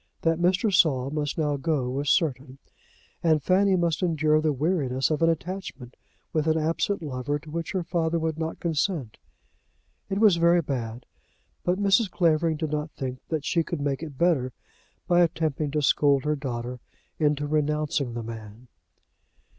That Mr. Saul must now go was certain, and Fanny must endure the weariness of an attachment with an absent lover to which her father would not consent. It was very bad, but Mrs. Clavering did not think that she could make it better by attempting to scold her daughter into renouncing the man.